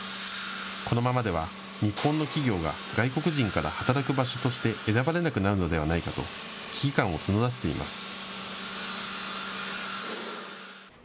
このままでは日本の企業が外国人から働く場所として選ばれなくなるのではないかと危機感を募らせています。